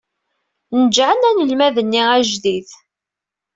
Neǧǧɛen anelmad-nni ajdid.